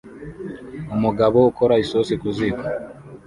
Umugabo ukora isosi ku ziko